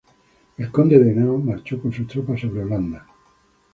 El conde de Henao marchó con sus tropas sobre Holanda.